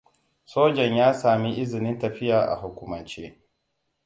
Sojan ya sami izinin tafiya a hukumance.